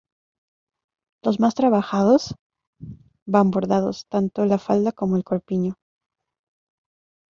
Los más trabajados van bordados, tanto la falda como el corpiño.